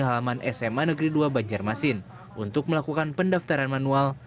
halaman sma negeri dua banjarmasin untuk melakukan pendaftaran manual